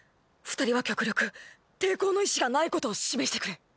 二人は極力抵抗の意思がないことを示してくれ！